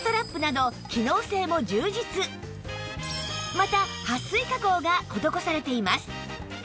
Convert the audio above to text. またはっ水加工が施されています